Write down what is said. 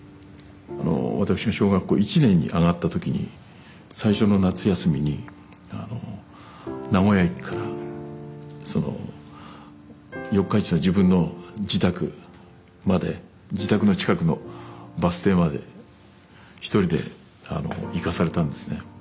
私が小学校１年に上がった時に最初の夏休みに名古屋駅からその四日市の自分の自宅まで自宅の近くのバス停まで１人で行かされたんですね。